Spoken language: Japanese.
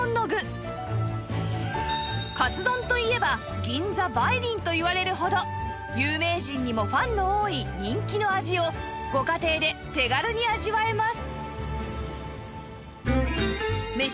カツ丼といえば銀座梅林といわれるほど有名人にもファンの多い人気の味をご家庭で手軽に味わえます